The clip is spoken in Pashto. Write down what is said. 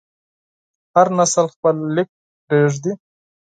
هر نسل خپل لیک پرېږدي.